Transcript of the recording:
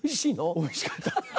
おいしかった。